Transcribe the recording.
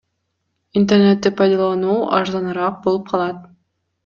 Интернетти пайдалануу арзаныраак болуп калат.